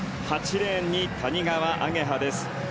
８レーンに谷川亜華葉です。